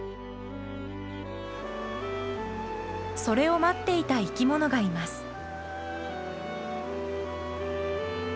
それを待っていた生き物がいます。